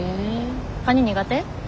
カニ苦手？